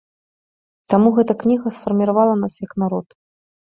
Таму гэта кніга сфарміравала нас як народ.